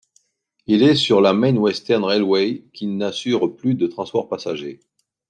Il est sur la Main Western Railway qui n'assure plus de transport passager.